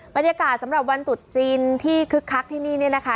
บรรยากาศสำหรับวันตุดจีนที่คึกคักที่นี่เนี่ยนะคะ